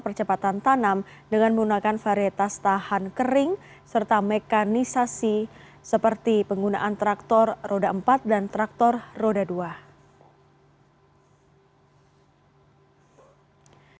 pertanyaan terakhir kementerian pertanian syahrul yassin limpo akan mengalokasikan lima ratus unit pompa guna menghadapi el nino pada agustus mendatang